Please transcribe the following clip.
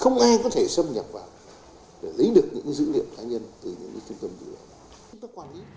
không ai có thể xâm nhập vào để lấy được những dữ liệu cá nhân từ những cái trung tâm dữ liệu